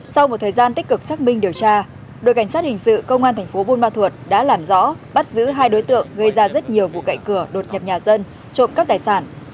sau một thời gian tích cực xác minh điều tra đội cảnh sát hình sự công an tp bumathua đã làm rõ bắt giữ hai đối tượng gây ra rất nhiều vụ cậy cửa đột nhập nhà dân trộm cắp tài sản